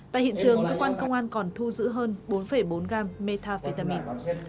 tại hiện trường cơ quan công an còn thu giữ hơn bốn bốn gram metafitamin